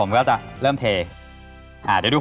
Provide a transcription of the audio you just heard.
แล้วแล้วแล้วแล้ว